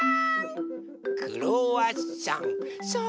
クロワッサン。